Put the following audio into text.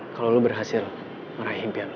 kalo lo berhasil ngeraih impian lo